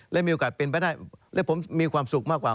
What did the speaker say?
และมีโอกาสเป็นไปได้และผมมีความสุขมากกว่า